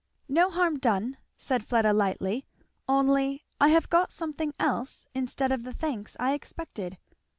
"No harm done," said Fleda lightly, "only I have got something else instead of the thanks I expected."